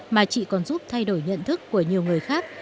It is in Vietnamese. mà chị còn giúp thay đổi nhận thức của nhiều người khác